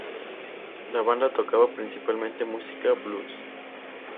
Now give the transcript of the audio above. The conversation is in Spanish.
La banda tocaba principalmente música blues.